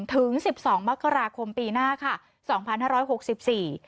ถึงสิบสองมกราคมปีหน้าค่ะสองพันห้าร้อยหกสิบสี่